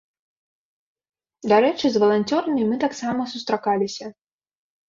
Дарэчы, з валанцёрамі мы таксама сустракаліся.